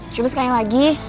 coba sekalian lagi